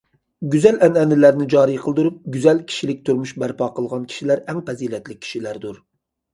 گۈزەل ئەنئەنىلەرنى جارى قىلدۇرۇپ، گۈزەل كىشىلىك تۇرمۇش بەرپا قىلغان كىشىلەر ئەڭ پەزىلەتلىك كىشىلەردۇر.